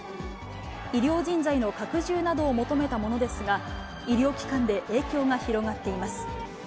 医療人材の拡充などを求めたものですが、医療機関で影響が広がっています。